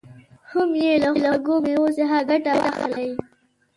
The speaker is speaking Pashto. هم یې له خوږو مېوو څخه ګټه واخلي.